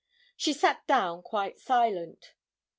She sat down quite silent.